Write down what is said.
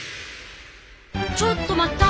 ちょっと待った！